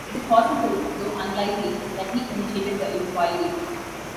It is possible, though unlikely, that he initiated the inquiry.